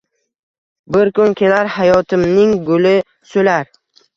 Bir kun kelar hayotimning guli so’lar